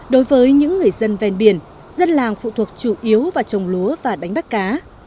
đối với những người dân ven biển dân làng phụ thuộc chủ yếu vào trồng lúa và đánh bắt cá